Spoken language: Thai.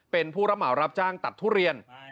เป็นผู้รับเหมารับจ้างตัดทุเรียน